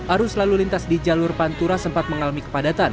arus lalu lintas di jalur pantura sempat mengalami kepadatan